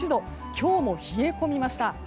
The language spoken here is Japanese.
今日も冷え込みました。